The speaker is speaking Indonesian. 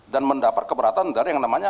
dan mendapat keberatan dari yang namanya